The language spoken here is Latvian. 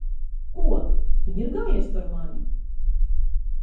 Ko? Tu ņirgājies par mani?!